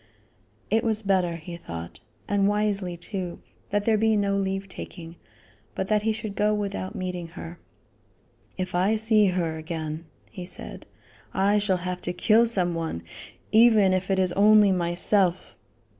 It was better, he thought, and wisely too, that there be no leave taking, but that he should go without meeting her. "If I see her again," he said, "I shall have to kill some one, even if it is only myself."